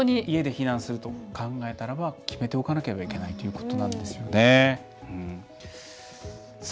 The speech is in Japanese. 家で避難すると考えたらば決めておかなければいけないということなんですよね。